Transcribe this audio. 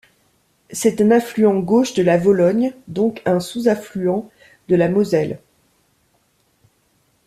C'est un affluent gauche de la Vologne, donc un sous-affluent de la Moselle.